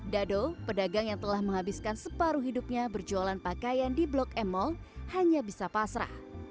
dado pedagang yang telah menghabiskan separuh hidupnya berjualan pakaian di blok m mall hanya bisa pasrah